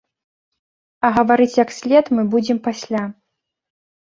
А гаварыць як след мы будзем пасля.